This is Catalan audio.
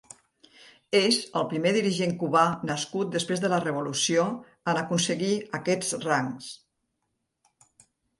És el primer dirigent cubà nascut després de la Revolució en aconseguir aquests rangs.